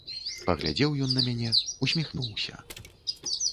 Паглядзеў ён на мяне, усміхнуўся.